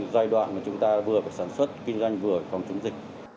giai đoạn mà chúng ta vừa phải sản xuất kinh doanh vừa phòng chống dịch